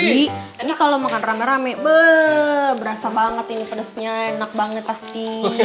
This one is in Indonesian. ini kalau makan rame rame berasa banget ini pedasnya enak banget pasti